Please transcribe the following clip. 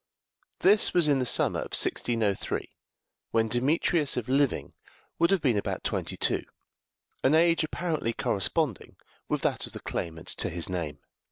This was in the summer of 1603, when Demetrius, if living, would have been about twenty two an age apparently corresponding with that of the claimant to his name.